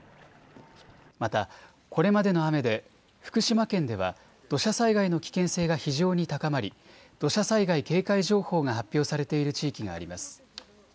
またこれまでの雨で福島県では土砂災害の危険性が非常に高まり土砂災害警戒情報が発表されている地域があります。